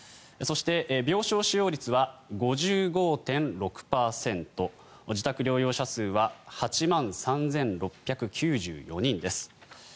そして、病床使用率は５５．６％自宅療養者数は８万３６９４人です。